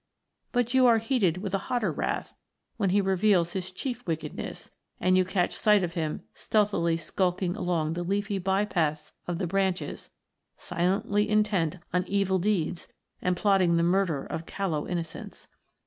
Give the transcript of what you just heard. But you are heated with a hotter wrath when he reveals his chief wickedness, and you catch sight of him stealthily skulking along the leafy by paths of the branches, silently intent on evil deeds and plotting the murder of callow innocents.